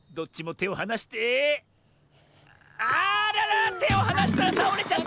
てをはなしたらたおれちゃった！